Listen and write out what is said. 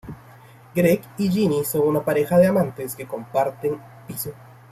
Greg y Ginny son una pareja de amantes que comparten piso.